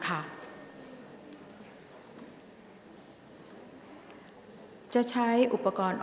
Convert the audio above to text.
ออกรางวัลเลขหน้า๓ตัวครั้งที่๒